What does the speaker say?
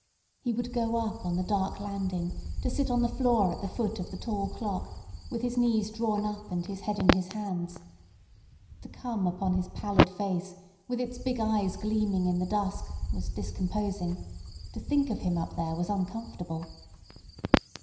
He would go up on the dark landing, to sit on the floor at the foot of the tall clock, with his knees drawn up and his head in his hands. To come upon his pallid face, with its big eyes gleaming in the dusk, was discomposing; to think of him up there was uncomfortable.